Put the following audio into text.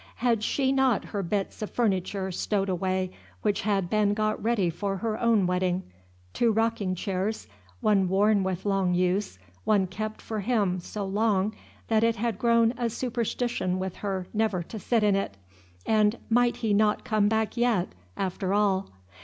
Had she not her bits of furniture stowed away which had been got ready for her own wedding, two rocking chairs, one worn with long use, one kept for him so long that it had grown a superstition with her never to sit in it, and might he not come back yet, after all?